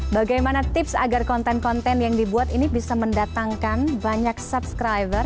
bagaimana tips agar konten konten yang dibuat ini bisa mendatangkan banyak subscriber